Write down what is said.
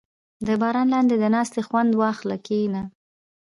• د باران لاندې د ناستې خوند واخله، کښېنه.